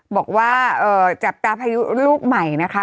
บอกว่าจับตาพายุลูกใหม่นะคะ